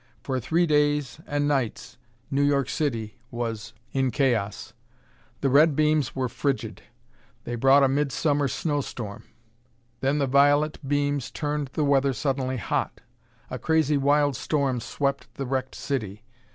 For three days and nights New York City was in chaos. The red beams were frigid. They brought a mid summer snowstorm! Then the violet beams turned the weather suddenly hot. A crazy wild storm swept the wrecked city.